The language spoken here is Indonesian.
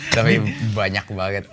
tapi banyak banget